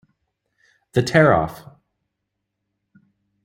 The Tear Off!